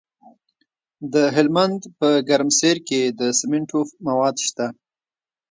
د هلمند په ګرمسیر کې د سمنټو مواد شته.